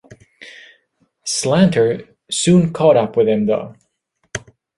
Slanter soon caught up with him, though.